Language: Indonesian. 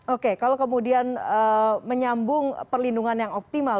oke kalau kemudian menyambung perlindungan yang optimal